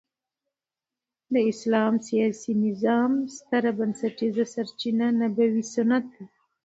د اسلام د سیاسي نظام ستره بنسټيزه سرچینه نبوي سنت دي.